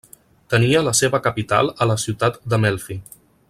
Tenia la seva capital a la ciutat de Melfi.